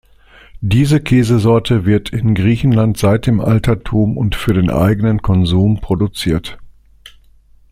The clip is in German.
Diese Käsesorte wird in Griechenland seit dem Altertum und für den eigenen Konsum produziert.